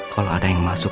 kalau ada yang masuk